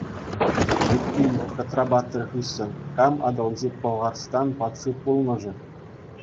Эппин, Кӑтра-паттӑр хыҫҫӑнах кам Атӑлҫи Пӑлхарстан патши пулнӑ-ши?